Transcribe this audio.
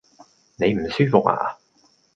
你唔舒服呀？